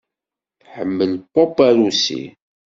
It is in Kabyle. Tḥemmel pop arusi.